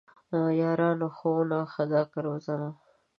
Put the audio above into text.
یارانو ! ښوونه ښه ده که روزنه؟!